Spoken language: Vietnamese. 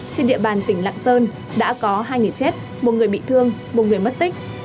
trên địa bàn tỉnh lạng sơn đã có hai người chết một người bị thương một người mất tích